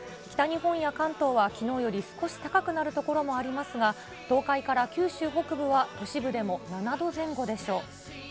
北日本や関東はきのうより少し高くなる所もありますが、東海から九州北部は、都市部でも７度前後でしょう。